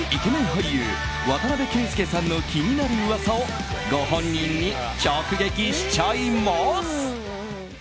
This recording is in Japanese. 俳優・渡邊圭祐さんの気になる噂をご本人に直撃しちゃいます。